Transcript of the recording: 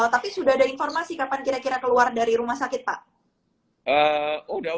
tapi sudah ada informasi kapan kira kira keluar dari rumah sakit pak